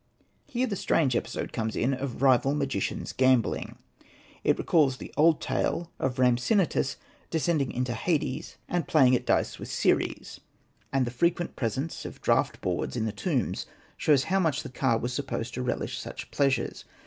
Here the strange episode comes in of the rival ma gicians gambling ; it recalls the old tale of Rampsinitus descending into Hades and play Hosted by Google 136 SETNA AND THE MAGIC BOOK ing at dice with Ceres, and the frequent presence of draught boards in the tombs, shows how much the ka was supposed to reUsh such pleasures.